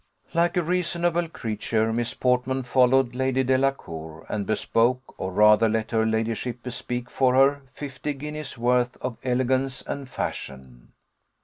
Like a reasonable creature, Miss Portman followed Lady Delacour, and bespoke, or rather let her ladyship bespeak for her, fifty guineas' worth of elegance and fashion.